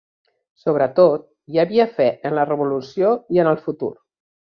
Sobretot, hi havia fe en la revolució i en el futur